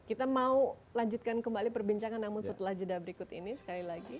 kita mau lanjutkan kembali perbincangan namun setelah jeda berikut ini sekali lagi